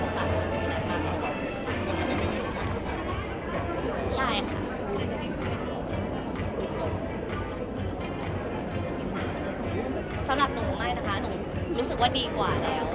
สำหรับหนูไม่นะคะหนูรู้สึกว่าดีกว่าแล้ว